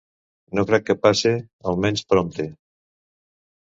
No crec que passe, almenys prompte.